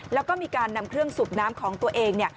แล้วก็มีการนำเครื่องสูบน้ำของตัวเองเนี่ย